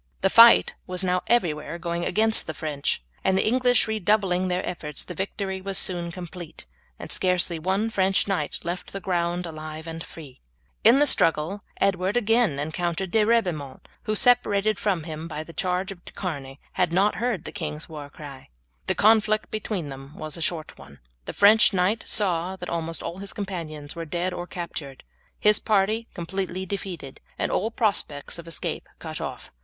The fight was now everywhere going against the French, and the English redoubling their efforts the victory was soon complete, and scarcely one French knight left the ground alive and free. In the struggle Edward again encountered De Ribaumont, who, separated from him by the charge of De Charny, had not heard the king's war cry. The conflict between them was a short one. The French knight saw that almost all his companions were dead or captured, his party completely defeated, and all prospects of escape cut off.